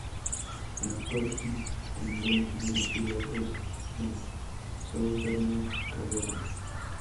El actual intendente de la ciudad es el Sr. Saúl Bernal Carrera.